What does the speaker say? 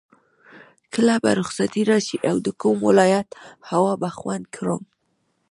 کله به رخصتي راشي او د کوم ولایت هوا به خوند کړم.